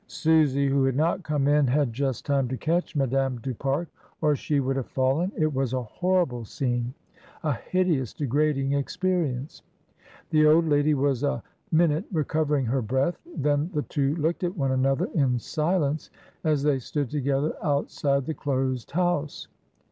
Susy, who had not come in, had just time to catch Madame du Pare or she would AT VERSAILLES. 20? have fallen. It was a horrible scene, a hideous degrading experience. The old lady was a minute recovering her breath; then the two looked at one another in silence as they stood together outside the closed house.